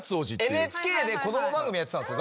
ＮＨＫで子供番組やってたんですよ